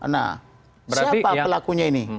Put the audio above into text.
nah siapa pelakunya ini